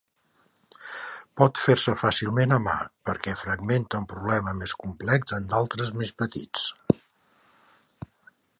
Pot fer-se fàcilment a mà, perquè fragmenta un problema més complex en d'altres més petits.